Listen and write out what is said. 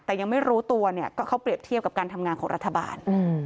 แต่ยังไม่รู้ตัวเนี่ยก็เขาเปรียบเทียบกับการทำงานของรัฐบาล